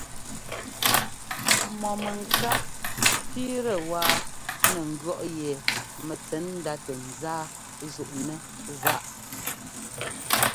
Mɔ mɛŋká kẅíitɛ wá nɛ ŋgʉ̈ɔ́ꞌ yɛ mɛntsɛ̌ndá tɛ nzáá zúꞌnɛ́ zaꞌ.